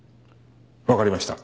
わかりました。